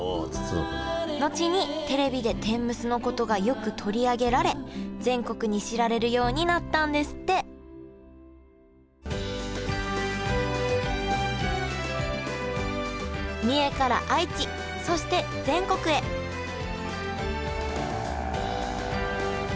後にテレビで天むすのことがよく取り上げられ全国に知られるようになったんですって三重から愛知そして全国へへえ。